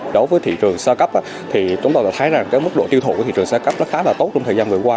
đối với thị trường sơ cấp thì chúng tôi đã thấy rằng cái mức độ tiêu thụ của thị trường sơ cấp nó khá là tốt trong thời gian vừa qua